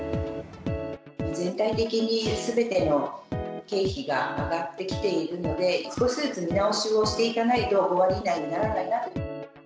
全体的にすべての経費が上がってきているので、少しずつ見直しをしていかないと、５割以内にならないなと。